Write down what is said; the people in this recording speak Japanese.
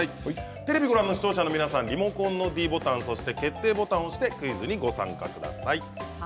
テレビをご覧の皆さんはリモコンのｄボタン、そして決定ボタンを押してクイズにご参加ください。